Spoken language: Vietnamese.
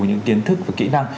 những kiến thức và kỹ năng